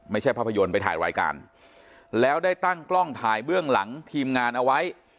ภาพยนตร์ไปถ่ายรายการแล้วได้ตั้งกล้องถ่ายเบื้องหลังทีมงานเอาไว้